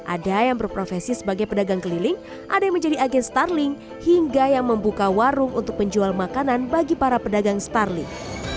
ada yang berprofesi sebagai pedagang keliling ada yang menjadi agen starling hingga yang membuka warung untuk menjual makanan bagi para pedagang starling